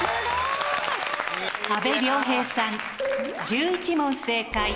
阿部亮平さん１１問正解。